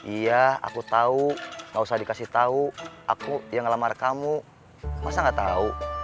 iya aku tahu nggak usah dikasih tahu aku yang ngelamar kamu masa nggak tahu